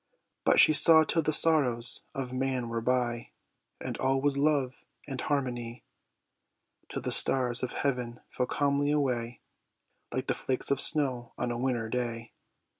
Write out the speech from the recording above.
But she saw till the sorrows of man were by, And all was love and harmony; Till the stars of heaven fell calmly away, Like the flakes of snow on a winter day.